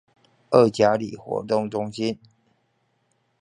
二甲里活動中心